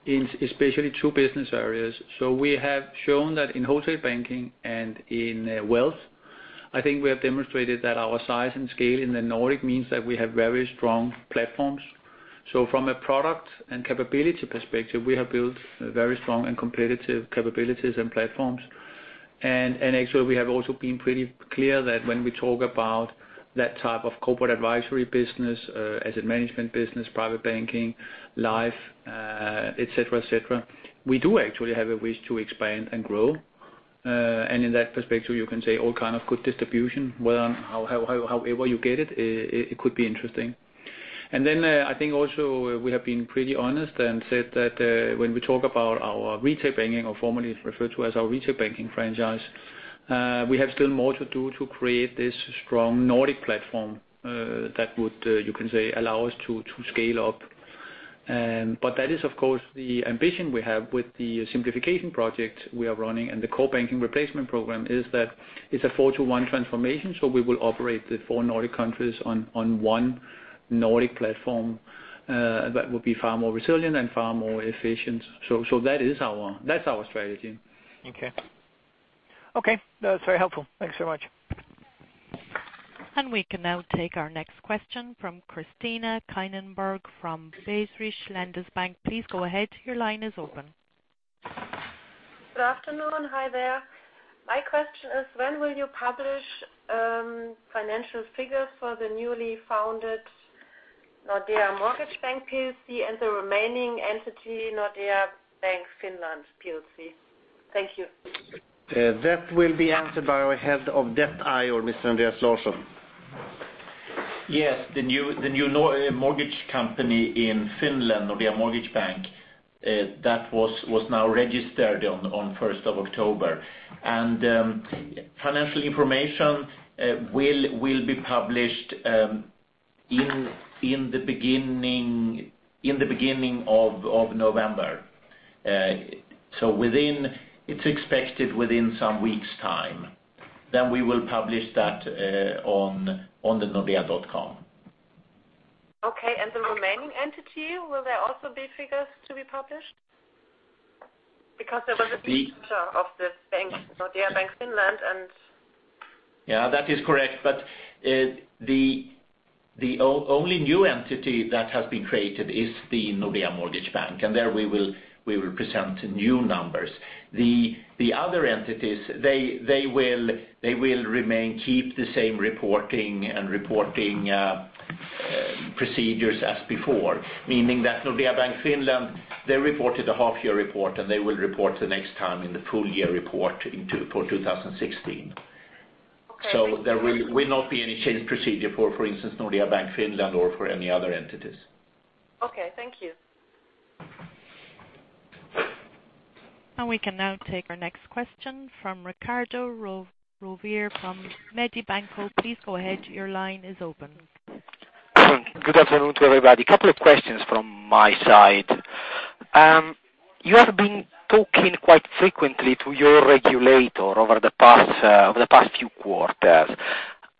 Speaker 3: in especially two business areas. We have shown that in wholesale banking and in wealth, I think we have demonstrated that our size and scale in the Nordic means that we have very strong platforms. From a product and capability perspective, we have built very strong and competitive capabilities and platforms. Actually, we have also been pretty clear that when we talk about that type of corporate advisory business, asset management business, private banking, life et cetera, we do actually have a wish to expand and grow. In that perspective, you can say all kind of good distribution. However you get it could be interesting. I think also we have been pretty honest and said that when we talk about our retail banking or formerly referred to as our retail banking franchise. We have still more to do to create this strong Nordic platform that would, you can say, allow us to scale up. That is, of course, the ambition we have with the simplification project we are running, and the Core Banking Replacement Program is that it's a four to one transformation, we will operate the four Nordic countries on one Nordic platform that will be far more resilient and far more efficient. That's our strategy.
Speaker 13: Okay. That's very helpful. Thanks so much.
Speaker 1: We can now take our next question from Christina Keinenberg from Baader Bank. Please go ahead. Your line is open.
Speaker 14: Good afternoon. Hi there. My question is when will you publish financial figures for the newly founded Nordea Mortgage Bank Plc and the remaining entity, Nordea Bank Finland Plc? Thank you.
Speaker 3: That will be answered by our Head of Debt IR, Mr. Andreas Larsson.
Speaker 15: Yes, the new mortgage company in Finland, Nordea Mortgage Bank, that was now registered on the 1st of October. Financial information will be published in the beginning of November. It is expected within some weeks' time. We will publish that on the nordea.com.
Speaker 14: Okay, the remaining entity, will there also be figures to be published? Because there was a feature of this bank, Nordea Bank Finland and
Speaker 15: Yeah, that is correct. The only new entity that has been created is the Nordea Mortgage Bank, and there we will present new numbers. The other entities, they will keep the same reporting and reporting procedures as before, meaning that Nordea Bank Finland, they reported the half-year report, and they will report the next time in the full-year report for 2016.
Speaker 14: Okay.
Speaker 2: There will not be any change procedure for instance, Nordea Bank Finland or for any other entities.
Speaker 14: Okay, thank you.
Speaker 1: We can now take our next question from Riccardo Rovere from Mediobanca. Please go ahead. Your line is open.
Speaker 16: Good afternoon to everybody. Couple of questions from my side. You have been talking quite frequently to your regulator over the past few quarters.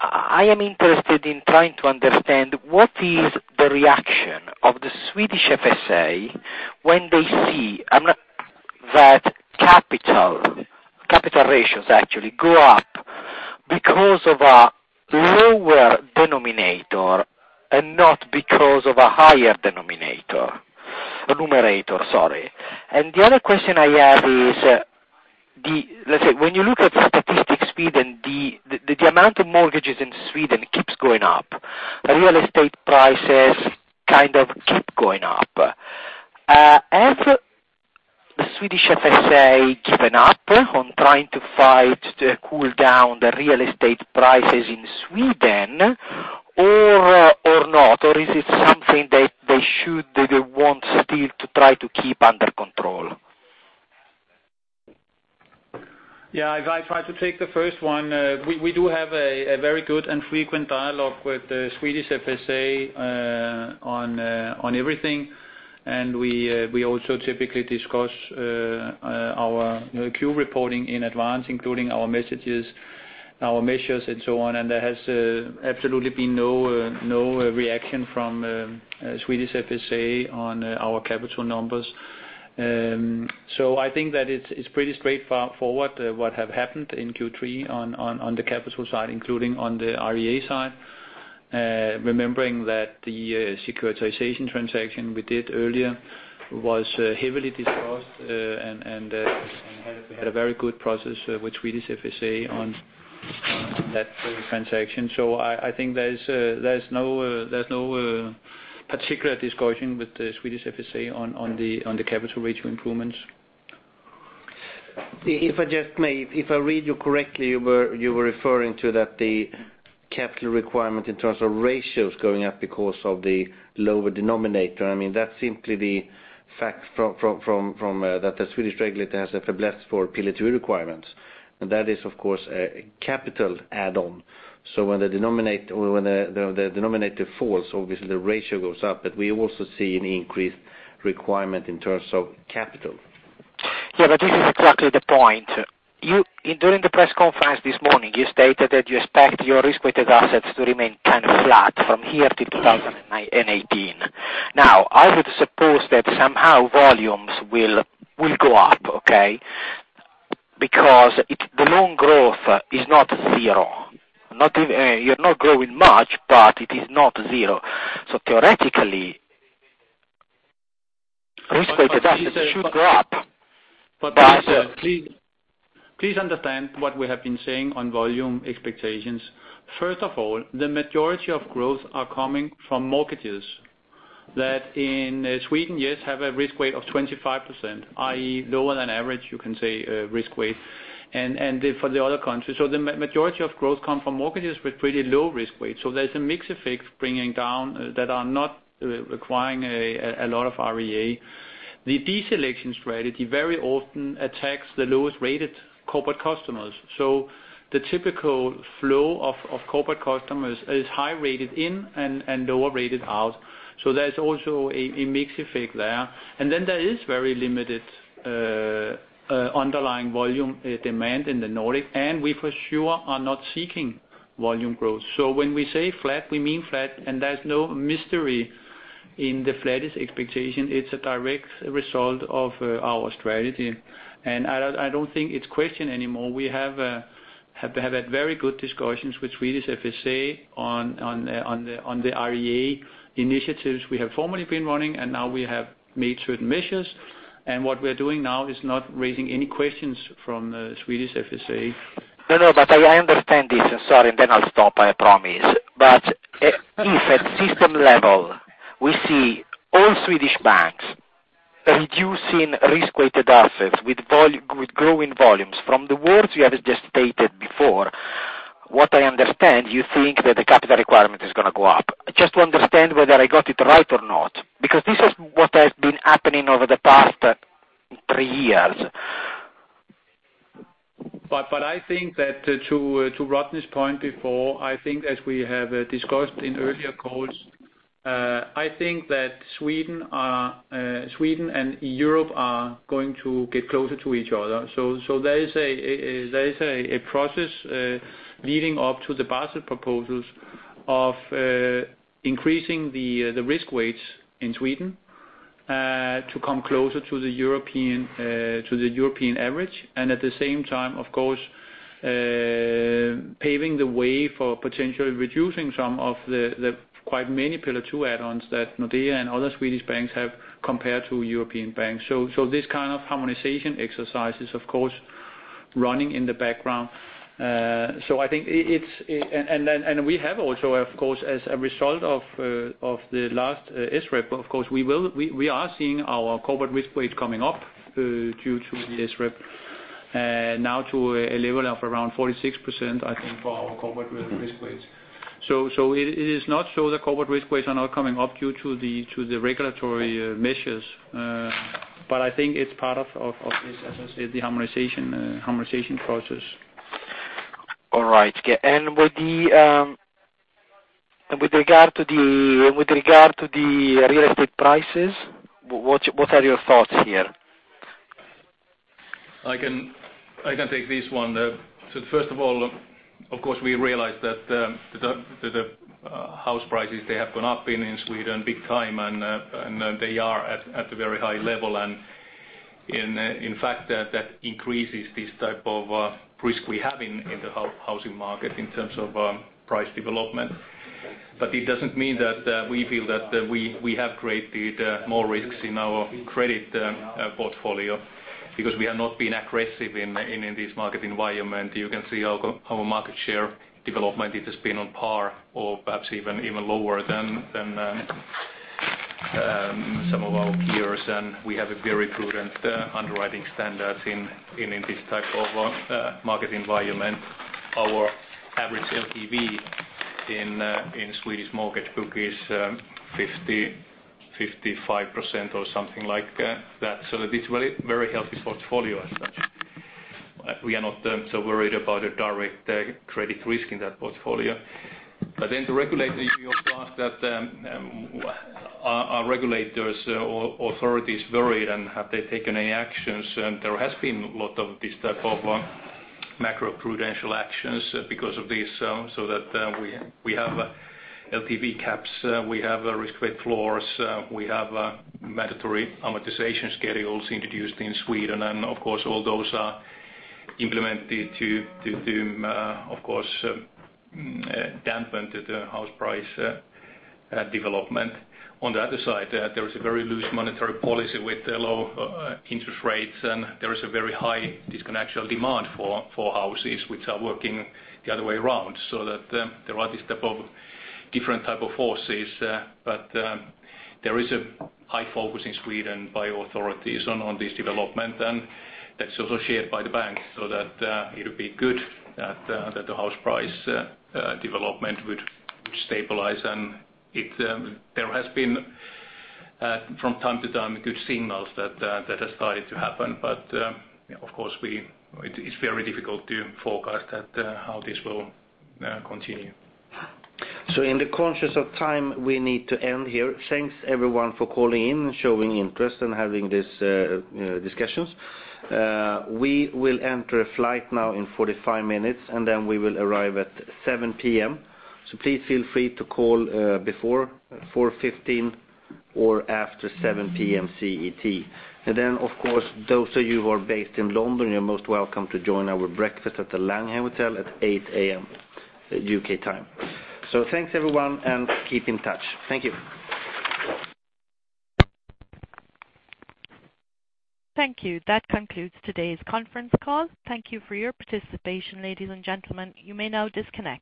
Speaker 16: I am interested in trying to understand what is the reaction of the Swedish FSA when they see that capital ratios actually go up because of a lower denominator and not because of a higher denominator. Numerator, sorry. The other question I have is, let's say, when you look at statistics feed and the amount of mortgages in Sweden keeps going up, real estate prices kind of keep going up. Have the Swedish FSA given up on trying to fight to cool down the real estate prices in Sweden or not? Or is it something that they want still to try to keep under control?
Speaker 3: Yeah, if I try to take the first one, we do have a very good and frequent dialogue with the Swedish FSA on everything. We also typically discuss our Q reporting in advance, including our messages, our measures, and so on. There has absolutely been no reaction from Swedish FSA on our capital numbers. I think that it's pretty straightforward what have happened in Q3 on the capital side, including on the REA side. Remembering that the securitization transaction we did earlier was heavily discussed, and we had a very good process with Swedish FSA on that transaction. I think there's no particular discussion with the Swedish FSA on the capital ratio improvements.
Speaker 2: If I read you correctly, you were referring to that the capital requirement in terms of ratios going up because of the lower denominator. That's simply the fact that the Swedish regulator has a basis for Pillar 2 requirements. That is, of course, a capital add-on. When the denominator falls, obviously the ratio goes up, but we also see an increased requirement in terms of capital.
Speaker 16: This is exactly the point. During the press conference this morning, you stated that you expect your risk-weighted assets to remain kind of flat from here to 2018. I would suppose that somehow volumes will go up, okay? The loan growth is not zero. You are not growing much, but it is not zero. Theoretically, risk-weighted assets should go up.
Speaker 3: Please understand what we have been saying on volume expectations. First of all, the majority of growth are coming from mortgages that in Sweden, yes, have a risk weight of 25%, i.e., lower than average, you can say, risk weight. For the other countries, the majority of growth come from mortgages with pretty low risk weight. There is a mix effect bringing down that are not requiring a lot of REA. The deselection strategy very often attacks the lowest-rated corporate customers. The typical flow of corporate customers is high rated in and lower rated out. There is also a mixed effect there. Then there is very limited underlying volume demand in the Nordic, and we for sure are not seeking volume growth. When we say flat, we mean flat, and there is no mystery in the flattest expectation. It is a direct result of our strategy. I do not think it is a question anymore. We have had very good discussions with Swedish FSA on the REA initiatives we have formerly been running, and now we have made certain measures. What we are doing now is not raising any questions from the Swedish FSA.
Speaker 16: I understand this. Sorry, I will stop, I promise. If at system level, we see all Swedish banks reducing risk-weighted assets with growing volumes. From the words you have just stated before, what I understand, you think that the capital requirement is going to go up. Just to understand whether I got it right or not. This is what has been happening over the past three years.
Speaker 3: I think that to Rodney's point before, as we have discussed in earlier calls, I think that Sweden and Europe are going to get closer to each other. There is a process leading up to the Basel proposals of increasing the risk weights in Sweden to come closer to the European average. At the same time, of course, paving the way for potentially reducing some of the quite many Pillar 2 add-ons that Nordea and other Swedish banks have compared to European banks. This kind of harmonization exercise is, of course, running in the background. We have also, of course, as a result of the last SREP, of course, we are seeing our corporate risk weight coming up due to the SREP. Now to a level of around 46%, I think, for our corporate risk weights. It is not so the corporate risk weights are now coming up due to the regulatory measures, I think it's part of this, as I said, the harmonization process.
Speaker 16: All right. With regard to the real estate prices, what are your thoughts here?
Speaker 10: I can take this one. First of all, of course, we realize that the house prices, they have gone up in Sweden big time, and they are at a very high level. In fact, that increases this type of risk we have in the housing market in terms of price development. It doesn't mean that we feel that we have created more risks in our credit portfolio because we have not been aggressive in this market environment. You can see our market share development, it has been on par or perhaps even lower than some of our peers, and we have a very prudent underwriting standards in this type of market environment. Our average LTV in Swedish mortgage book is 55% or something like that. It's a very healthy portfolio as such. We are not so worried about a direct credit risk in that portfolio. The regulator, you also asked that are regulators or authorities worried, and have they taken any actions? There has been a lot of this type of macroprudential actions because of this, so that we have LTV caps, we have risk weight floors, we have mandatory amortization schedules introduced in Sweden. Of course, all those are implemented to, of course, dampen the house price development. There is a very loose monetary policy with low interest rates, and there is a very high disconnectual demand for houses which are working the other way around, so that there are these different type of forces. There is a high focus in Sweden by authorities on this development, and that's also shared by the bank, so that it would be good that the house price development would stabilize. There has been, from time to time, good signals that has started to happen. Of course, it's very difficult to forecast how this will continue.
Speaker 3: In the conscious of time, we need to end here. Thanks, everyone, for calling in, showing interest, and having these discussions. We will enter a flight now in 45 minutes, and then we will arrive at 7:00 P.M. Please feel free to call before 4:15 or after 7:00 P.M. CET. Of course, those of you who are based in London, you're most welcome to join our breakfast at the Langham Hotel at 8:00 A.M. U.K. time. Thanks, everyone, and keep in touch. Thank you.
Speaker 1: Thank you. That concludes today's conference call. Thank you for your participation, ladies and gentlemen. You may now disconnect.